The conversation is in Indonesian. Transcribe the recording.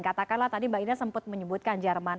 katakanlah tadi mbak ida sempat menyebutkan jerman